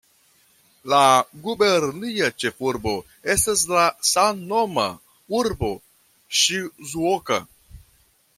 La gubernia ĉefurbo estas la samnoma urbo Ŝizuoka.